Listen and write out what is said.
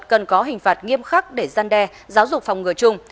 cần có hình phạt nghiêm khắc để gian đe giáo dục phòng ngừa chung